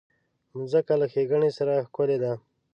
مځکه له ښېګڼې سره ښکلې ده.